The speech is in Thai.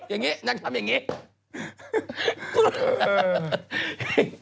อย่างนี้นางทำอย่างนี้